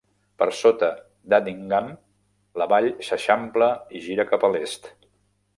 Per sota d'Addingham, la vall s'eixampla i gira cap a l'est.